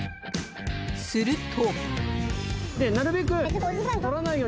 すると。